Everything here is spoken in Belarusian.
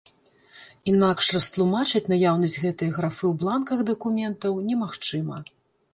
Інакш растлумачыць наяўнасць гэтае графы ў бланках дакументаў немагчыма.